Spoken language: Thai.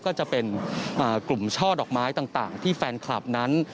ก็จะเป็นกลุ่มช่อดอกไม้ต่างที่แฟนคลับนั้น